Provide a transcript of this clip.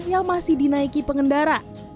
yang masih dinaiki pengendara